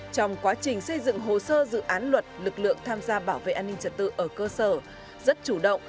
trong quá trình xây dựng hồ sơ dự án luật lực lượng tham gia bảo vệ an ninh trật tự ở cơ sở